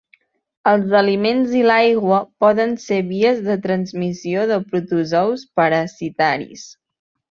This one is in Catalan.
Els aliments i l'aigua poden ser vies de transmissió de protozous parasitaris.